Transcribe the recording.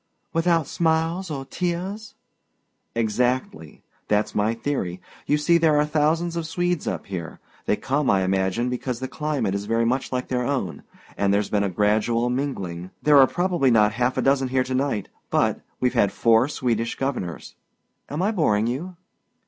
"Without smiles or tears?" "Exactly. That's my theory. You see there are thousands of Swedes up here. They come, I imagine, because the climate is very much like their own, and there's been a gradual mingling. There're probably not half a dozen here to night, but we've had four Swedish governors. Am I boring you?"